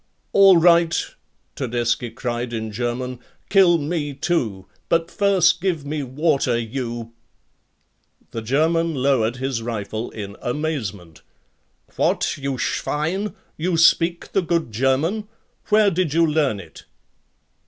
"All right," Todeschi cried in German, "kill me too, but first give me water, you " The German lowered his rifle in amazement: "What, you schwein, you speak the good German? Where did you learn it?"